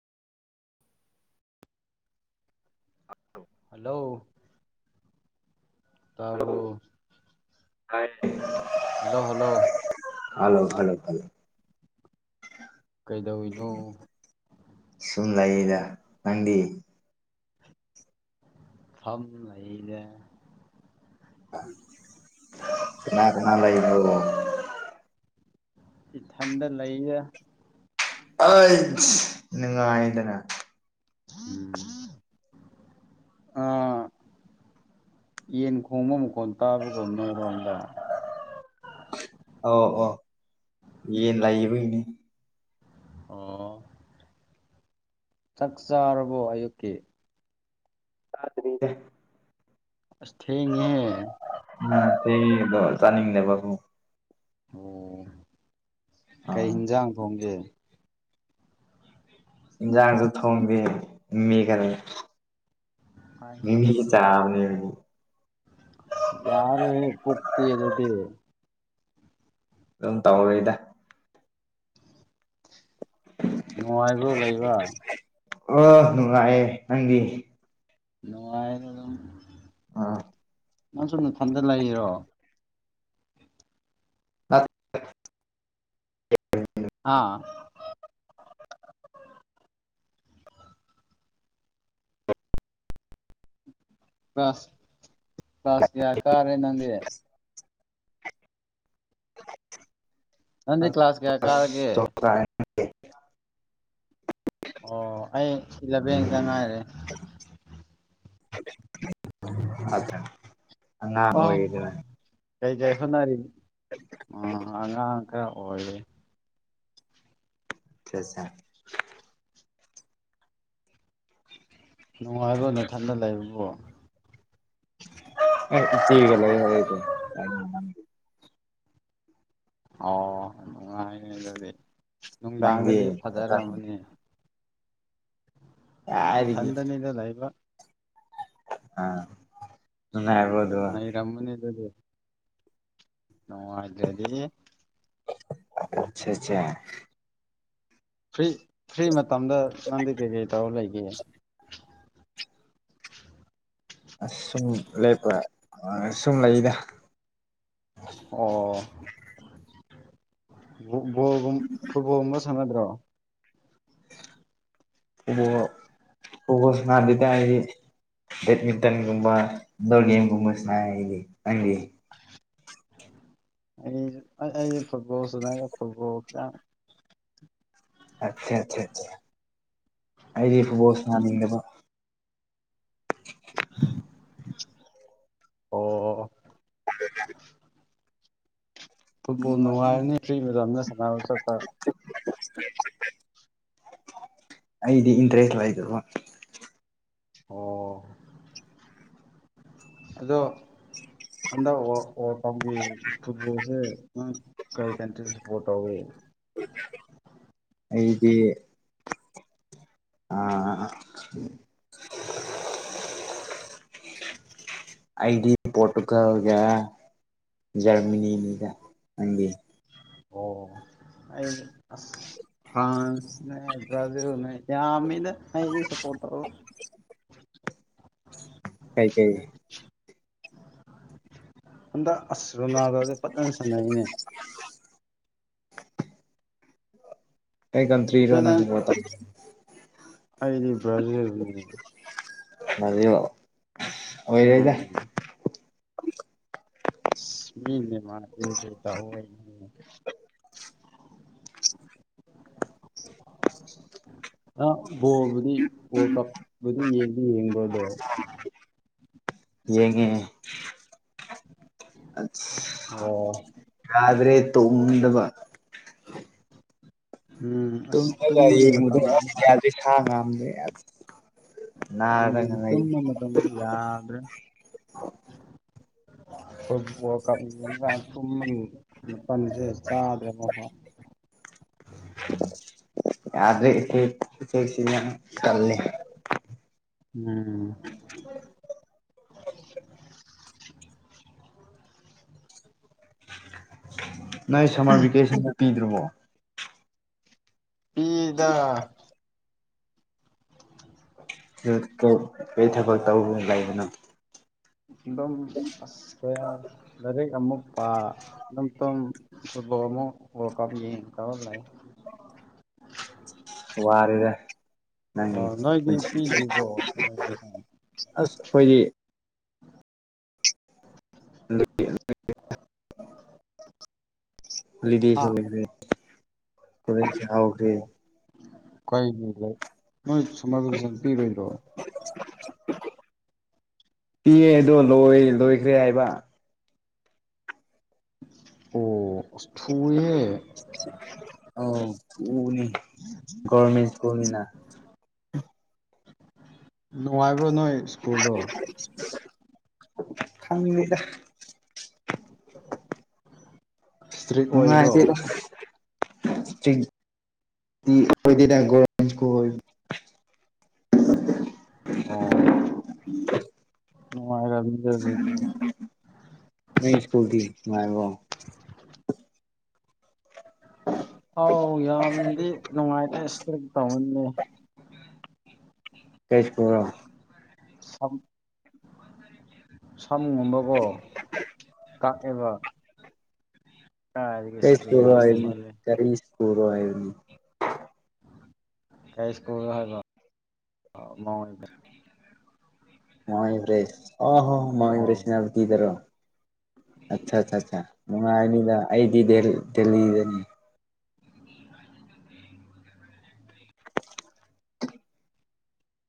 hello ꯇꯔꯕ hello ꯇꯥꯏ hello hello hello ꯐꯂꯣ ꯐꯂꯣ ꯀꯩꯗꯧꯅꯣ ꯗ ꯅꯗꯤ ꯊꯝ ꯂꯩꯔ ꯀꯅꯥ ꯀꯅꯥ ꯂꯩꯕ꯭ꯔꯣ ꯏꯊꯟꯗ ꯂꯩꯌꯦꯦ ꯑ ꯅꯤꯡꯉꯥꯏꯗꯅ ꯑ ꯌꯦ ꯀꯨꯝꯃꯝ ꯀ ꯇꯥꯕꯗꯣ ꯅꯔꯣꯪꯂ ꯑ ꯑꯣ ꯌꯦꯟ ꯂꯥꯛꯌꯦꯕ ꯏꯅꯦ ꯑꯣ ꯆꯥꯛ ꯆꯥꯔꯕꯣ ꯑꯌꯨꯛꯀꯤ ꯆꯗꯔꯤꯅꯦ ꯑꯁ ꯊꯦꯡꯉꯦꯍꯦ ꯎꯝ ꯆꯥꯅꯤꯡꯗꯦ ꯕꯕꯨ ꯑꯣ ꯀꯩ ꯑꯥ ꯍꯤꯟꯖꯥꯡ ꯊꯣꯡꯒꯦ ꯖꯥꯡꯁꯨ ꯊꯣꯡꯗꯦ ꯃꯦꯒꯂ ꯃꯤꯃꯤꯒꯤ ꯆꯅꯤ ꯌꯥꯅ ꯄꯨꯣꯛꯛꯇꯤꯂꯗꯤ ꯑꯗꯨꯝ ꯇꯧꯔꯔꯤꯗ ꯅꯨꯡꯉꯥꯏꯔꯤꯕ꯭ꯔꯣ ꯂꯩꯕ ꯑꯣ ꯅꯨꯡꯉꯑꯦ ꯅꯪꯒꯤ ꯅꯨꯡꯉꯥꯏꯔ ꯑꯗꯨ ꯑꯥ ꯅꯪꯁꯨꯨꯝ ꯊꯟꯗ ꯂꯩꯔꯤꯔꯣ ꯑ ꯎ ꯑꯥ ꯀ꯭ꯂꯥꯁ ꯀ꯭ꯂꯥꯁ ꯀꯌꯥ ꯀꯥꯔꯦ ꯅꯪꯗꯤꯦ ꯑ ꯅꯪꯗꯤ ꯀ꯭ꯂꯥꯁ ꯀꯌꯥ ꯀꯥꯔꯒꯦ ꯀꯥꯏ [unintelligible] ꯑꯣ ꯑꯩ ꯂꯕꯦꯡꯗ ꯉꯥꯏꯔꯦ ꯐꯜꯇ꯭ꯔ ꯑꯣ ꯀꯩ ꯀꯥꯏꯈꯣꯅꯔ ꯎ ꯑꯉ ꯀ ꯑꯣꯏꯦ ꯔꯖ ꯅꯨꯡꯉꯥꯏꯕ ꯅ ꯊꯅ ꯂꯩꯕꯕꯣ ꯊꯒ ꯂ ꯑꯣ ꯅꯨꯡꯉꯥꯏꯌꯦ ꯑꯗꯨꯗꯤ ꯅꯪꯗꯤ ꯅꯨꯡꯗꯥꯡꯗꯗꯤ ꯅꯊꯟ ꯐꯖꯔꯝꯃꯅꯤ ꯍꯥꯏꯗꯤ ꯀꯥꯏꯗꯒꯤ ꯏꯊꯟꯗꯅꯤꯗ ꯂꯩꯕ ꯑꯥ ꯅꯨꯡꯉꯥꯏꯕ꯭ꯔꯣ ꯎ ꯑꯗꯨꯒ ꯅꯔꯝꯃꯅꯤꯗꯗꯤ ꯅꯅꯨꯡ ꯍꯥꯏꯗ꯭ꯔꯦꯗꯤ ꯑꯆꯥ ꯑꯆꯥ ꯐ꯭ꯔꯤ ꯐ꯭ꯔꯤ ꯃꯇꯝꯗ ꯅꯪꯗꯤ ꯀꯩ ꯀꯩ ꯇꯧꯔ ꯂꯩꯒꯦ ꯑꯦ ꯑꯁ ꯁꯨꯝ ꯂꯦꯞꯄ ꯁꯨꯝ ꯂꯩꯗ ꯑꯣ ꯠꯕꯣꯜꯒꯨꯝ ꯐꯨꯠꯕꯣꯜꯒꯨꯝꯕ ꯁꯥꯟꯅꯗ꯭ꯔꯣ ꯑꯣꯕ ꯑꯣ ꯉꯗꯗꯤ ꯗꯦꯠꯃꯤꯇꯟꯒꯨꯝꯕ ꯏꯟꯗꯣꯔ ꯦꯝ ꯀꯨꯝꯕꯁꯅꯗꯤꯗꯤ ꯑꯩ ꯐꯨꯠꯕꯣꯜ ꯁꯗꯥꯏ ꯐꯨꯠꯕꯣꯜꯅ ꯑꯆꯥꯦ ꯑꯆꯥ ꯑꯩꯗꯤ ꯐꯕꯣꯁꯅꯥꯅꯤꯡꯒꯗꯣ ꯑ ꯑꯣ ꯐꯨꯠꯕꯣꯜ ꯅꯨꯡꯉꯥꯏꯔꯅꯤ ꯐ꯭ꯔꯤ ꯃꯦꯗꯥꯝꯅ ꯁꯥꯟꯅꯕ ꯆꯠꯄ ꯑꯩꯗꯤ ꯏꯟꯇꯔꯦꯁ ꯑꯣꯏꯗꯕ ꯑꯣ ꯑꯗꯣ ꯑꯗ ꯇꯕꯤ ꯐꯨꯠꯣꯜꯁꯦ ꯀꯔꯤ ꯀꯟꯇꯔꯤ ꯁꯄꯣꯔꯠꯧꯋꯦ ꯑꯩꯗꯤ ꯑꯥ ꯑꯗꯤ ꯄꯇꯀꯑꯒ ꯖꯔꯃꯅꯤꯗ ꯑꯪꯗꯤ ꯑꯣ ꯑꯩ ꯑ ꯐ꯭ꯔꯥꯟꯁꯅꯦ ꯭ꯔꯥꯖꯤꯜꯅꯦ ꯌꯥꯃꯤ ꯅ ꯅ ꯁꯄꯣꯠꯇꯣ ꯀꯥꯏ ꯀꯪꯒ ꯑꯟꯗ ꯑꯁꯔꯨꯅꯥꯗꯗ ꯄꯠꯅ ꯁꯥꯟꯅꯩꯅꯦ ꯑꯩ ꯑꯗꯣ ꯀꯟꯇ꯭ꯔꯤꯔꯣꯅ ꯅꯪ ꯑꯩꯗꯤ ꯕ꯭ꯔꯖꯤ ꯑꯣꯏꯔꯦꯗ ꯎꯝ ꯃꯤꯅꯦ ꯃꯥ ꯆꯣꯏ ꯇ ꯍ [unintelligible] ꯑ ꯕꯣꯕꯨꯗꯤ ꯣ ꯀꯞꯕꯨꯗꯤ ꯌꯦꯡꯗꯤ ꯌꯦꯡꯕꯗꯣ ꯌꯦꯡꯉꯦ ꯑꯁ ꯑꯣ ꯌꯥꯗ꯭ꯔꯦ ꯇꯣꯝꯕꯕ ꯎꯝ ꯗ ꯑꯁ ꯇꯨꯝꯕꯒꯤ ꯃꯇꯝ ꯊꯥꯡ ꯉ ꯑꯃ ꯂꯩ ꯎꯝ ꯇ ꯃ ꯇꯗꯦ ꯌꯥꯗ꯭ꯔꯦ [unintelligible] ꯣ ꯀ ꯇ ꯄꯅꯤ ꯆꯩꯦ ꯆꯗ꯭ꯔꯦ ꯃ [unintelligible] ꯌꯥꯗ꯭ꯔꯦꯦ ꯆꯂꯦ ꯎꯝ ꯅꯪ ꯁꯝꯃꯔ ꯚꯦꯀꯦꯁꯟꯗ ꯄꯤꯗ꯭ꯔꯕꯣ ꯏꯗ ꯀ ꯀꯩ ꯊꯕꯛ ꯇꯧꯕ ꯂꯩꯕꯅꯣ ꯝ ꯑꯁ ꯂꯥꯏꯔꯤꯛ ꯑꯃꯨꯛ ꯄꯇꯝ ꯃꯣ ꯀꯅꯤ ꯀ ꯋꯥꯔꯦꯗ ꯅꯪ ꯑꯣ ꯅꯣꯏꯗꯤ ꯄꯤꯗ꯭ꯔꯤꯕꯣ ꯁꯝꯃꯔ ꯚꯦꯀꯦꯁꯟ ꯑꯁ ꯑꯩꯈꯣꯏꯗꯤ ꯑꯗꯨ ꯍꯂꯤꯗꯤ ꯍꯥ ꯆꯂꯈ꯭ꯔꯦ ꯊ ꯆ ꯑꯣꯈ꯭ꯔꯦ ꯀ ꯅꯣꯏ ꯁꯝꯃꯔ ꯚꯦꯀꯦꯁꯟ ꯄꯤꯔꯣꯏꯗ꯭ꯔꯣ ꯄꯤꯑꯗꯣ ꯂꯣꯏ ꯂꯣꯏꯈ꯭ꯔꯦ ꯍꯥꯏꯕ ꯑꯣ ꯁꯨꯋꯦ ꯑꯧ ꯎꯅꯤ ꯔꯃꯦꯁ ꯀꯃꯤꯅꯥ ꯅꯨꯡꯉꯥꯏꯕ꯭ꯔꯣ ꯅꯣꯏ ꯁ꯭ꯀꯨꯜꯗꯣ [unintelligible] ꯏꯁꯇ꯭ꯔꯤꯛ ꯑꯣꯏꯕ꯭ꯔꯣ ꯉꯅꯨꯡꯉꯥꯏꯗꯤ ꯗꯤꯒꯖ ꯀꯣꯏ [inaudible] ꯑꯣ ꯅꯨꯡꯉꯥꯏꯔꯝꯅꯤꯗ ꯑꯗꯨꯗꯤ ꯃ ꯏꯁꯀꯨꯜ ꯊ ꯃꯕ ꯑꯥꯎ ꯌꯥꯝꯗꯤ ꯅꯨꯡꯉꯥꯏꯇ꯭ꯔꯦꯁ ꯀꯃꯅꯦ ꯀꯩꯁꯄꯔꯣ ꯑ ꯐꯝꯒꯨꯝꯕꯀꯣ ꯀꯛꯑꯦꯕ ꯀꯥꯏꯗꯒꯤ ꯀꯩ ꯏꯁꯇ꯭ꯔꯤꯛ ꯄꯨꯔꯣ ꯌꯥꯝ ꯍꯥꯏꯅꯤ ꯑꯣꯏꯃꯜꯂꯦ ꯀꯔꯤ ꯄ ꯄꯨꯔ ꯍꯥꯏꯅꯤ ꯀꯁꯀ ꯍꯥꯏꯕ ꯃꯉ ꯑꯣꯏꯗ ꯃꯕ꯭ꯔꯦꯁ ꯑꯣ ꯍꯣ ꯑꯣ ꯃꯕ꯭ꯔꯦꯁꯅꯕꯨꯗꯤꯤꯗꯔꯣ ꯑꯠꯆꯥ ꯑꯠ ꯑ ꯅꯨꯡꯉꯥꯏꯅꯤꯗ ꯑꯩꯗꯤ ꯗꯦꯜꯂꯤꯗꯅꯤ